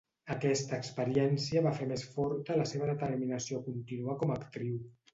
Aquesta experiència va fer més forta la seva determinació a continuar com a actriu.